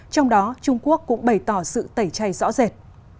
trong đó trung quốc cũng bày tỏ sự tẩy chay rõ rệt